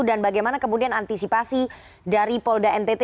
dan bagaimana kemudian antisipasi dari polda ntt